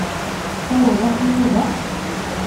Tessawleḍ-as i Yuba?